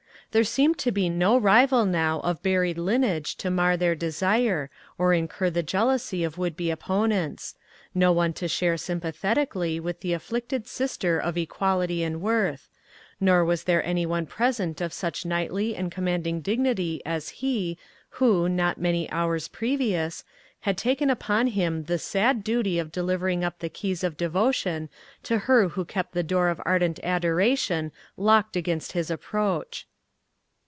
There seemed to be no rival now of buried lineage to mar their desire, or incur the jealousy of would be opponents; no one to share sympathetically with the afflicted sister of equality and worth; nor was there any one present of such knightly and commanding dignity as he, who, not many hours previous, had taken upon him the sad duty of delivering up the keys of devotion to her who kept the door of ardent adoration locked against his approach.